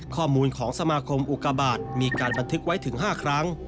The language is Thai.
ข้อมูลของสมาคมอุกาบาทมีการบันทึกไว้ถึง๕ครั้ง